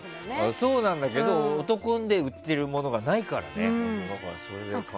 そうなんだけど男で売ってるものがないからね。